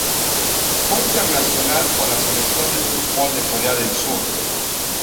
Fue internacional con la Selección de fútbol de Corea del Sur.